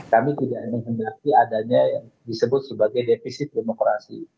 kami tidak menghendaki adanya yang disebut sebagai defisit demokrasi